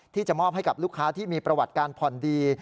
ที่จะมอบให้กับลูกค้าที่มีประวัติการผ่อนดี